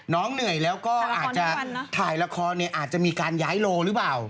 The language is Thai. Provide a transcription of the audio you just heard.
เหนื่อยแล้วก็อาจจะถ่ายละครเนี่ยอาจจะมีการย้ายโลหรือเปล่า